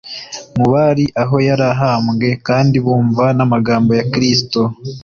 mu bari aho yari abambwe kandi bumva n'amagambo ya Kristo.